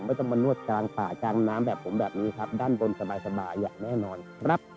ต้องมานวดกลางป่ากลางน้ำแบบผมแบบนี้ครับด้านบนสบายอย่างแน่นอนครับ